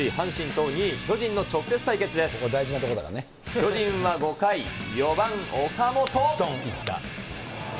巨人は５回、４番岡本。